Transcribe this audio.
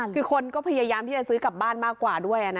คือคนก็พยายามที่จะซื้อกลับบ้านมากกว่าด้วยนะ